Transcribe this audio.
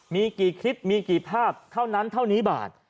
มีกี่คลิปมีกี่ภาพเท่านั้นเท่านี้บาท